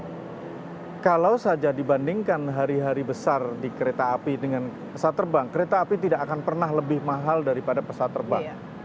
karena kalau saja dibandingkan hari hari besar di kereta api dengan pesawat terbang kereta api tidak akan pernah lebih mahal daripada pesawat terbang